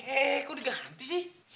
eh eh eh kok diganti sih